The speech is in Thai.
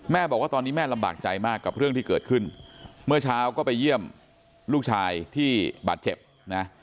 บอกว่าตอนนี้แม่ลำบากใจมากกับเรื่องที่เกิดขึ้นเมื่อเช้าก็ไปเยี่ยมลูกชายที่บาดเจ็บนะ